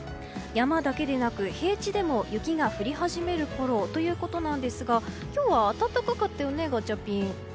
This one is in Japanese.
山だけでなく平地でも雪が降り始めるころということですが今日は暖かかったよね。